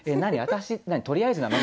私とりあえずなの？」